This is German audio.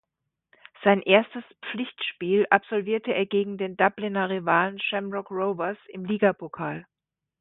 Sein erstes Pflichtspiel absolvierte er gegen den Dubliner Rivalen Shamrock Rovers im Ligapokal.